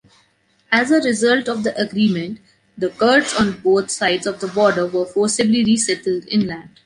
As a result of the agreement, the Kurds on both sides of the border were forcibly resettled inland.